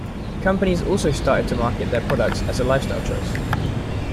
Companies also started to market their products as a lifestyle choice.